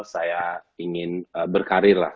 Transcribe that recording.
saya ingin berkarir lah